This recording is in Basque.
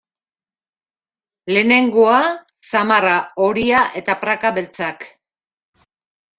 Lehenengoa: Zamarra horia eta praka beltzak.